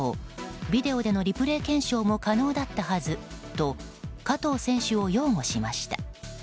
ビデオでのリプレー検証も可能だったはずと加藤選手を擁護しました。